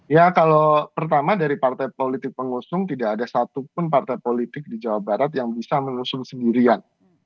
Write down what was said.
ya kalau pertama dari partai politik pengusung tidak ada satupun partai politik di jawa barat yang bisa mengusung sendirian